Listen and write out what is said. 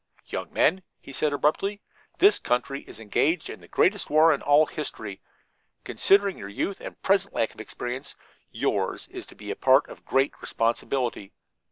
"Young men," he said abruptly, "this country is engaged in the greatest war in all history. Considering your youth and present lack of experience, yours is to be a part of great responsibility.